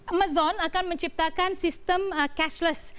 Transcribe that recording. amazon akan menciptakan sistem cashless